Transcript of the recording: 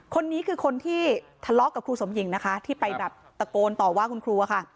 คนนี้คือคนที่ทะเลาะกับครูสมหญิงนะคะที่ไปแบบตะโกนต่อว่าคุณครูค่ะ